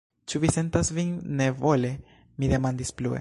Ĉu vi sentas vin nebone? mi demandis plue.